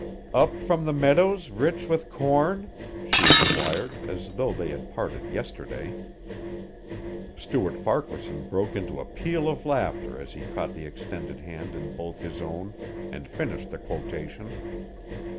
"'Up from the meadows rich with corn'?" she inquired, as though they had parted yesterday. Stuart Farquaharson broke into a peal of laughter as he caught the extended hand in both his own and finished the quotation.